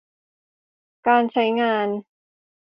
การใช้งาน